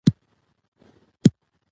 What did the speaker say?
اوښ چی ګډیږي خپل څښتن شرموي .